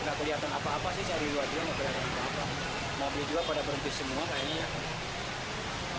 mobil juga pada berhenti semua kayaknya ya